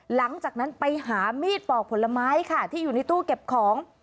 หลังจากนั้นไปหามีดปอกผลไม้ค่ะที่อยู่ในตู้เก็บของ